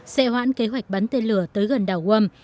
sẽ hoãn kế hoạch bắn tên lửa tới gần đảo wam